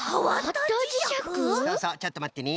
そうそうちょっとまってね。